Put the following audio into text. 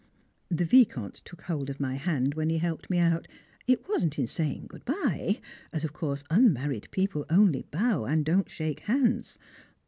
The Vicomte took hold of my hand when he helped me out, it wasn't in saying good bye, as of course unmarried people only bow and don't shake hands.